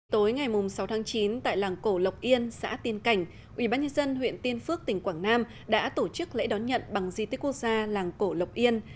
tối ngày sáu tháng chín tại làng cổ lộc yên xã tiên cảnh ubnd huyện tiên phước tỉnh quảng nam đã tổ chức lễ đón nhận bằng di tích quốc gia làng cổ lộc yên